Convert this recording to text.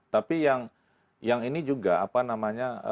tapi yang ini juga apa namanya